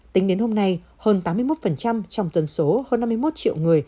tính đến hôm nay hơn tám mươi một trong dân số hơn năm mươi một triệu người